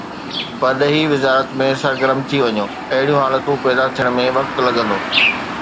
پرڏيهي وزارت ۾ سرگرم ٿي وڃو، اهڙيون حالتون پيدا ٿيڻ ۾ وقت لڳندو.